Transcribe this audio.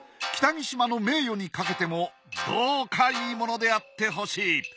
北木島の名誉にかけてもどうかいいものであってほしい。